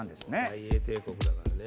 大英帝国だからね。